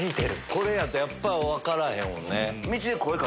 これやと分からへんもんね。